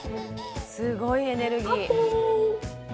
すごいエネルギー。